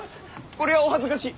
これはお恥ずかしい。